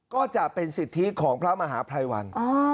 ก็จะเป็นสิทธิของพระมหาภัยวัน